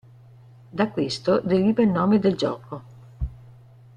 Da questo deriva il nome del gioco.